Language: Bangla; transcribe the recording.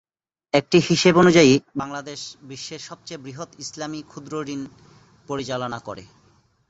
একটি হিসেব অনুযায়ী, বাংলাদেশ বিশ্বের সবচেয়ে বৃহৎ ইসলামি ক্ষুদ্রঋণ পরিচালনা করে।